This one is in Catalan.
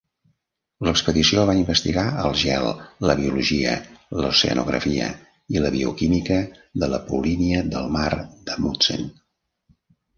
L'expedició va investigar el gel, la biologia, l'oceanografia i la bioquímica de la polínia del mar d'Amundsen.